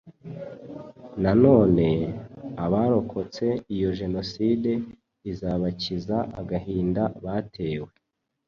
Nanone, abarokotse iyo jenoside izabakiza agahinda batewe